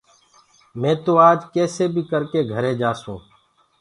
مينٚ تو آج ڪيسي بيٚ ڪرڪي گھري جآسونٚ